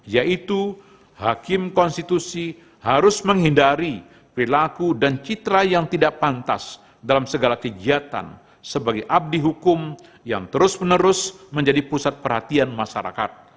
yaitu hakim konstitusi harus menghindari perilaku dan citra yang tidak pantas dalam segala kegiatan sebagai abdi hukum yang terus menerus menjadi pusat perhatian masyarakat